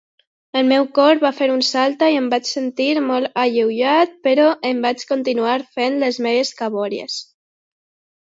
El meu cor va fer un salta i em vaig sentir molt alleujat, però em vaig continuar fent les meves cabòries.